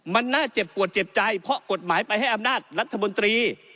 มันน่าเจ็บปวดเจ็บใจเพราะกฎหมายไปให้อำนาจรัฐบนตรี